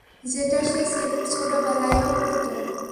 যেটা সে ছোটবেলায়ও করতো।